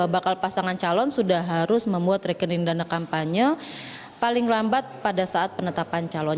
bakal pasangan calon sudah harus membuat rekening dana kampanye paling lambat pada saat penetapan calon